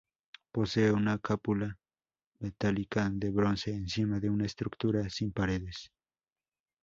Posee una cúpula metálica de bronce encima de una estructura sin paredes.